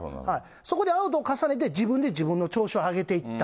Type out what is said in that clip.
そこでアウトを重ねて、自分で自分の調子を上げいった。